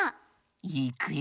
いくよ！